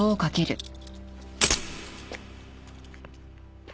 あっ。